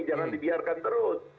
jangan dibiarkan terus